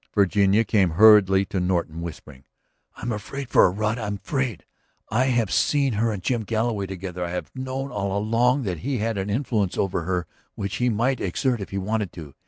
Virginia came hurriedly to Norton, whispering: "I'm afraid for her, Rod. I'm afraid! I have seen her and Jim Galloway together, I have known all along that he had an influence over her which he might exert if he wanted to.